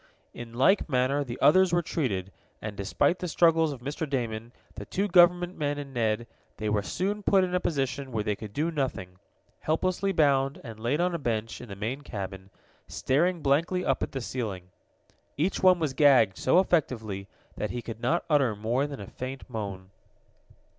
In like manner the others were treated, and, despite the struggles of Mr. Damon, the two government men and Ned, they were soon put in a position where they could do nothing helplessly bound, and laid on a bench in the main cabin, staring blankly up at the ceiling. Each one was gagged so effectively that he could not utter more than a faint moan.